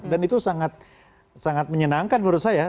itu sangat menyenangkan menurut saya